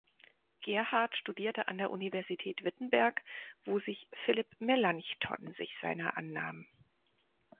Gerhard studierte an der Universität Wittenberg, wo sich Philipp Melanchthon sich seiner annahm.